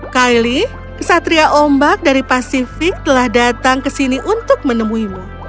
kylie kesatria ombak dari pasifik telah datang ke sini untuk menemuimu